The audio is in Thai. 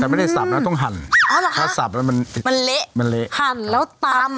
แต่ไม่ได้สับนะต้องหั่นอ๋อเหรอคะถ้าสับแล้วมันมันเละมันเละหั่นแล้วตำ